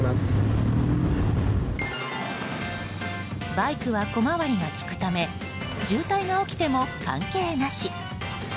バイクは小回りが利くため渋滞が起きても関係なし。